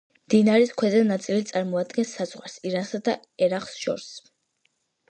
მდინარის ქვედა ნაწილი წარმოადგენს საზღვარს ირანსა და ერაყს შორის.